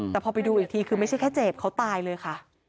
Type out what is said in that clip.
แต่พอไปดูอีกทีคือไม่ใช่แค่เจ็บเขาตายเลยค่ะ